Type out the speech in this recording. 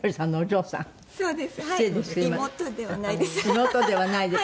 「妹ではないです」？